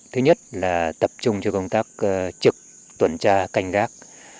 thứ nhất là tập trung cho công tác trực tuần tra canh gác